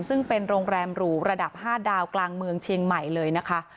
ซึ่งเป็นโรงแรมหรูระดับ๕ดาวกลางเมืองเชียงใหม่เลยนะคะ